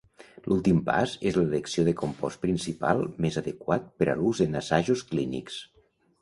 L'últim pas és l'elecció de compost principal més adequat per a l'ús en assajos clínics.